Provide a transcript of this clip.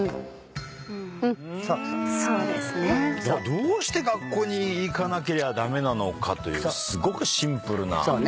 どうして学校に行かなけりゃ駄目なのかというすごくシンプルな。